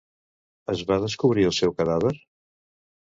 Es va descobrir el seu cadàver?